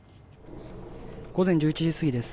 午前１１時過ぎです。